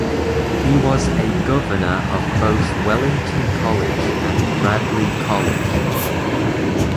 He was a governor of both Wellington College and Radley College.